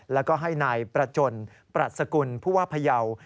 แล้วก็ให้นายประจนปรัชกุลผู้ว่าพยาว